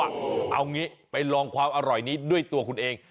เอางี้ไปลองความอร่อยนี้ด้วยตัวคุณเอง